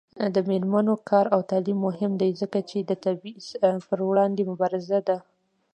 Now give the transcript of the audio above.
د میرمنو کار او تعلیم مهم دی ځکه چې تبعیض پر وړاندې مبارزه ده.